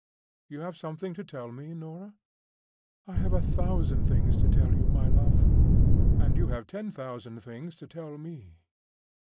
"You have something to tell me, Norah?" "I have a thousand things to tell you, my love; and you have ten thousand things to tell me.